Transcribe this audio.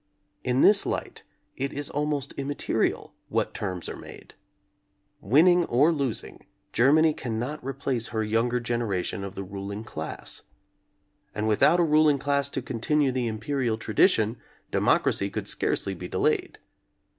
In this light it is almost immaterial what terms are made. Winning or losing, Ger many cannot replace her younger generation of the ruling class. And without a ruling class to continue the imperial tradition, democracy could scarcely be delayed.